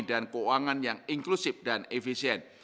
dan keuangan yang inklusif dan efisien